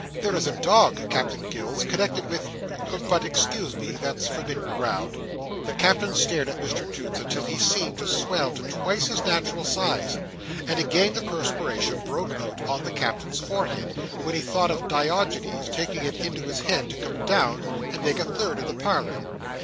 There is a dog, Captain Gills, connected with—but excuse me. That's forbidden ground." The Captain stared at Mr Toots until he seemed to swell to twice his natural size; and again the perspiration broke out on the Captain's forehead, when he thought of Diogenes taking it into his head to come down and make a third in the parlour.